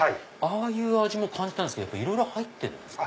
ああいう味も感じたんですけどいろいろ入ってるんですか？